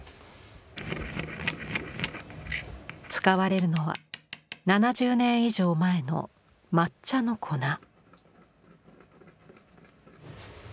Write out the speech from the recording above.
使われるのは７０年以上前の抹茶の粉。